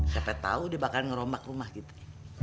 siapa tau dia bakalan ngerombak rumah kita